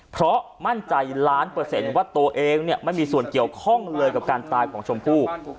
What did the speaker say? เพราะมั่นใจล้านเปอร์เซ็นต์ว่าตัวเองไม่มีส่วนเกี่ยวข้องเลยกับการตายของชมพู่